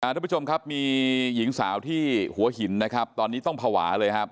ทุกผู้ชมครับมีหญิงสาวที่หัวหินนะครับตอนนี้ต้องภาวะเลยครับ